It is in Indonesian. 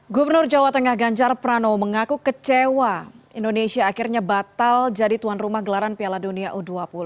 gubernur jawa tengah ganjar pranowo mengaku kecewa indonesia akhirnya batal jadi tuan rumah gelaran piala dunia u dua puluh